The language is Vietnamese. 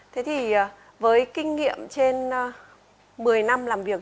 thế thì với kinh nghiệm trên một mươi năm làm việc